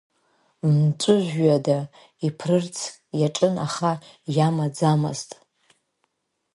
Мҵәыжәҩада иԥрырц иаҿын, аха иамаӡамызт.